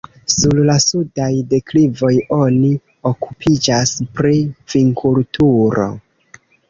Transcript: Sur la sudaj deklivoj oni okupiĝas pri vinkulturo.